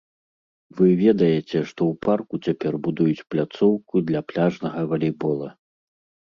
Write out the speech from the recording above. Вы ведаеце, што ў парку цяпер будуюць пляцоўку для пляжнага валейбола.